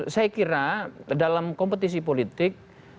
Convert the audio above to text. saya kira dalam kompetisi politik